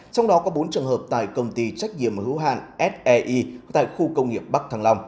trong đó có bốn trường hợp tại công ty trách nhiệm hữu hạn sei tại khu công nghiệp bắc thăng long